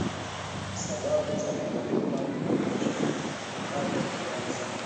sababu za mkulima kuchakata viazi